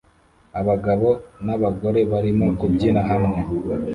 Abagabo n'abagore barimo kubyina hamwe